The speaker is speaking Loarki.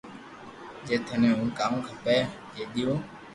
جي ٿني ھون ڪاو کپي جي ديو